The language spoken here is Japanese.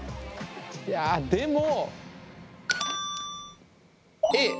いやでも。